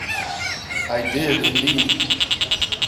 I did, indeed.